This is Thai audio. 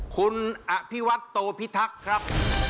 คุณอภิวัตโตพิทักษ์ครับ